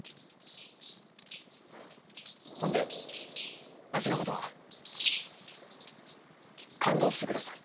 ほんでわしのことは勘当してください。